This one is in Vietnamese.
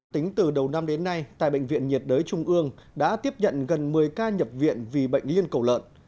tính từ đầu năm đến nay tại bệnh viện nhiệt đới trung ương đã tiếp nhận gần một mươi ca nhập viện vì bệnh liên cầu lợn